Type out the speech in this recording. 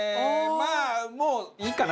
まあもういいかな。